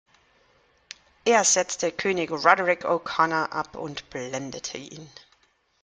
Er setzte König "Roderick O’Connor" ab und blendete ihn.